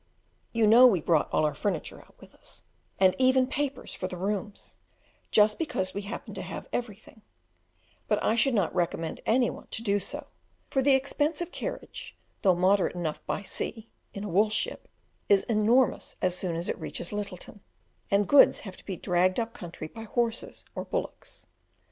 You know we brought all our furniture out with us, and even papers for the rooms, just because we happened to have everything; but I should not recommend any one to do so, for the expense of carriage, though moderate enough by sea (in a wool ship), is enormous as soon as it reaches Lyttleton, and goods have to be dragged up country by horses or bullocks.